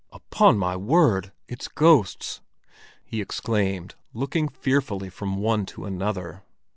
"Upon my word, it's ghosts!" he exclaimed, looking fearfully from one to another.